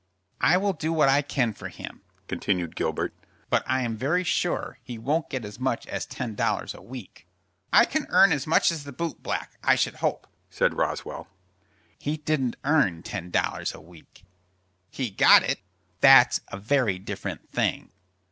"I will do what I can for him," continued Gilbert; "but I am very sure he won't get as much as ten dollars a week." "I can earn as much as the boot black, I should hope," said Roswell. "He didn't earn ten dollars a week." "He got it." "That's a very different thing."